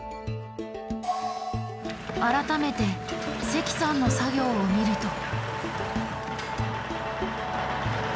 改めて関さんの作業を見ると。